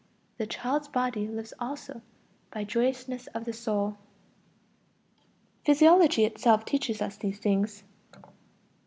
The child's body lives also by joyousness of soul. Physiology itself teaches us these things.